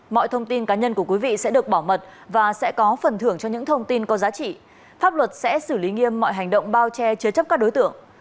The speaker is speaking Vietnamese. mọi thông tin cá nhân của quý vị sẽ được bảo mật và sẽ có phần thưởng cho những thông tin có giá trị pháp luật sẽ xử lý nghiêm mọi hành động bao che chứa chấp các đối tượng